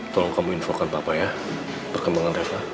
tolong kamu infokan bapak ya perkembangan reva